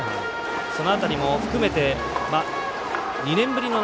その辺りも含めて２年ぶりの夏